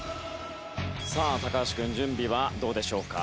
さあ橋君準備はどうでしょうか？